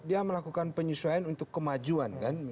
dia melakukan penyesuaian untuk kemajuan kan